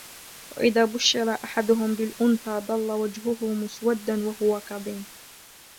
وَإِذَا بُشِّرَ أَحَدُهُمْ بِالْأُنْثَى ظَلَّ وَجْهُهُ مُسْوَدًّا وَهُوَ كَظِيمٌ